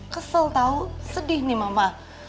kesel tahu sedih nih mama